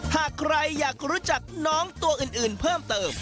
หากใครอยากรู้จักน้องตัวอื่นเพิ่มเติม